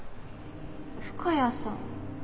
深谷さん？